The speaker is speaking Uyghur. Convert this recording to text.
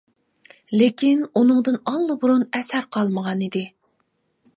لېكىن ئۇنىڭدىن ئاللىبۇرۇن ئەسەر قالمىغان ئىدى.